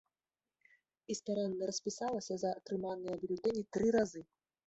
І старанна распісалася за атрыманыя бюлетэні тры разы.